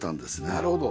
なるほど。